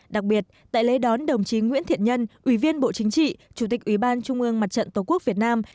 đặc biệt tại lễ đón đồng chí nguyễn thiện nhân ủy viên bộ chính trị chủ tịch ủy ban trung ương mặt trận tổ quốc việt nam